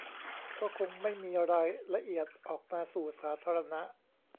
ก็คงไม่มีรายละเอียดออกมาสู่สาธารณะ